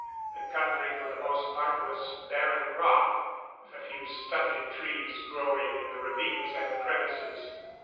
The country for the most part was barren rock, with a few stunted trees growing in the ravines and crevices.